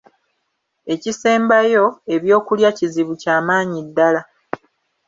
Ekisembayo, ebyokulya kizibu kyamaanyi ddala.